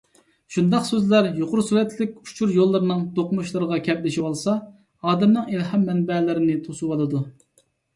شۇنداق سۆزلەر يۇقىرى سۈرئەتلىك ئۇچۇر يوللىرىنىڭ دۇقمۇشلىرىغا كەپلىشىۋالسا، ئادەمنىڭ ئىلھام مەنبەلىرىنى توسۇۋالىدۇ.